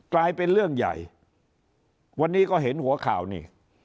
กลายเป็นเรื่องใหญ่วันนี้ก็เห็นหัวข่าวนี่